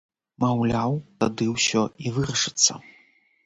Маўляў, тады ўсё і вырашыцца.